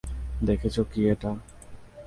দেখেছ কী এটা?